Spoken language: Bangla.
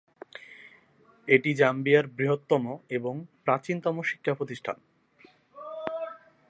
এটি জাম্বিয়ার বৃহত্তম এবং প্রাচীনতম শিক্ষা প্রতিষ্ঠান।